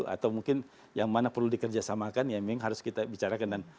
atau mungkin yang mana perlu dikerjasamakan ya memang harus kita bicarakan